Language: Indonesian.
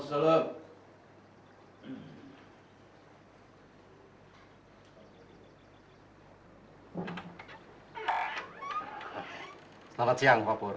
selamat siang pak pur